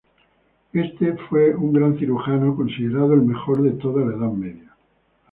Éste fue un gran cirujano, considerado el mejor de toda la Edad Media.